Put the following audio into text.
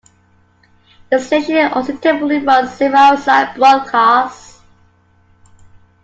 The station also typically runs several outside broadcasts.